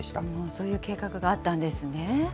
そういう計画があったんですね。